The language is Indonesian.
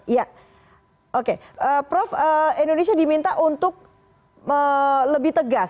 ya oke prof indonesia diminta untuk lebih tegas